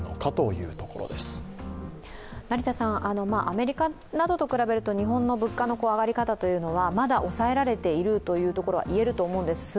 アメリカなどと比べると日本の物価の上がり方はまだ抑えられていることは数字上は言えると思うんです。